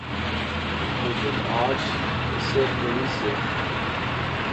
لیکن اج اسے پولیس سے